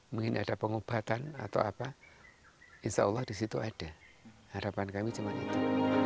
mungkin ada pengobatan atau apa insya allah disitu ada harapan kami cuma itu